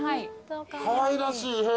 かわいらしい部屋。